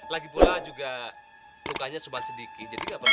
lagipula juga lukanya cuman sedikit jadi gak perlu